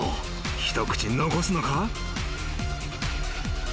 一口残すのか？］